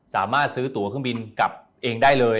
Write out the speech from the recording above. สามารถซื้อตัวเครื่องบินกลับเองได้เลย